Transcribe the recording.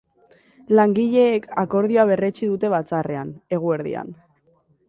Langileek akordioa berretsi dute batzarrrean, eguerdian.